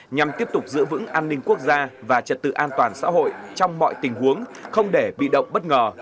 nhằm tiếp tục giữ vững an ninh quốc gia và trật tự an toàn xã hội trong mọi tình huống không để bị động bất ngờ